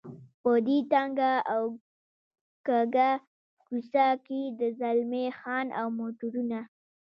په دې تنګه او کږه کوڅه کې د زلمی خان او موټرونه.